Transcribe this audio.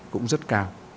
cũng rất cao